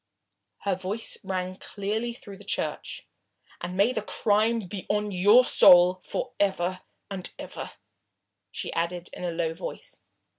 Her voice rang clearly through the church. "And may the crime be on your soul for ever and ever," she added in a low voice.